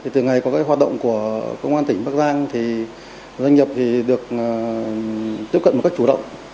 từ ngày có các hoạt động của công an tỉnh bắc giang doanh nghiệp được tiếp cận một cách chủ động